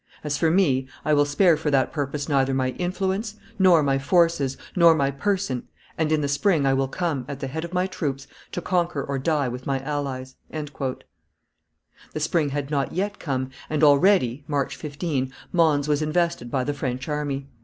As for me, I will spare for that purpose neither my influence, nor my forces, nor my person, and in the spring I will come, at the head of my troops, to conquer or die with my allies." The spring had not yet come, and already (March 15) Mons was invested by the French army.